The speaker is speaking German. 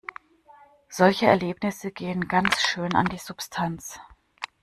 Solche Erlebnisse gehen ganz schön an die Substanz.